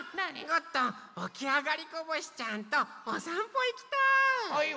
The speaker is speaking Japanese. ゴットンおきあがりこぼしちゃんとおさんぽいきたい。